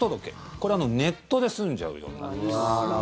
これ、ネットで済んじゃうようになるんです。